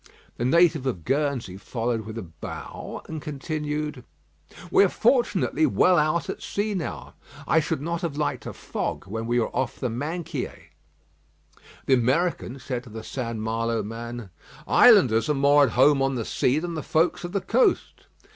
The native of Guernsey followed with a bow and continued: "We are fortunately well out at sea now; I should not have liked a fog when we were off the Minquiers." The American said to the St. Malo man: "Islanders are more at home on the sea than the folks of the coast."